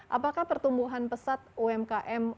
apakah pertumbuhan pesat umkm